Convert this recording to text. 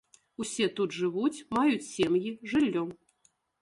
Усе тут жывуць, маюць сем'і, жыллё.